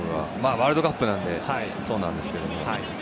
ワールドカップなのでそうなんですが。